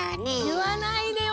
言わないでよ